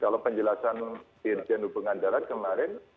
kalau penjelasan irjen perhubungan darat kemarin